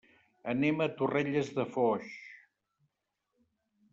Anem a Torrelles de Foix.